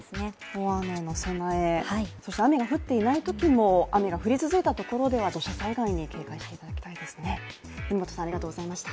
大雨への備え、そして雨が降っていないときも雨が降り続いた地域では土砂災害に警戒してください。